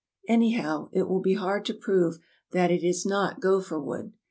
Any how, it will be hard to prove that it is not gopher wood.